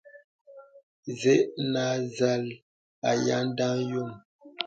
Zə̀ a nzàl y à ndaŋ yōm.